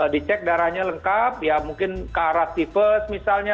dicek darahnya lengkap ya mungkin karat tifus misalnya